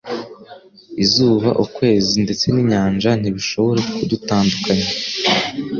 Izuba, ukwezi ndetse n'inyanja ntibishobora kudutandukanya.